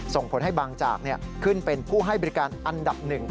ส่งผลให้บางจากขึ้นเป็นผู้ให้บริการอันดับ๑